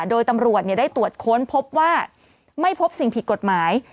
โดยตำรวจได้ตรวจค้นพบว่าไม่พบสิ่งผิดกฎหมาย